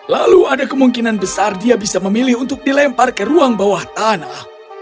lalu ada kemungkinan besar dia bisa memilih untuk dilempar ke ruang bawah tanah